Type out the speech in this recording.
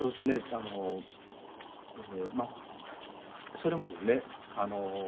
あのそれもですね